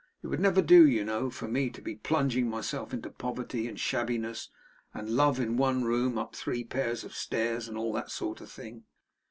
It would never do, you know, for me to be plunging myself into poverty and shabbiness and love in one room up three pair of stairs, and all that sort of thing.